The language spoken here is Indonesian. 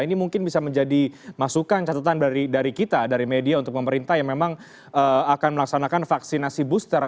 ini mungkin bisa menjadi masukan catatan dari kita dari media untuk pemerintah yang memang akan melaksanakan vaksinasi booster